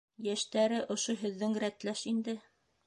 Йәштәре ошо һеҙҙең рәтләш инде.